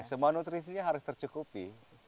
semua nutrisinya harus tercukupi